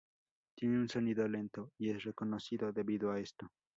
Tiene un sonido lento, y es reconocido debido a esto.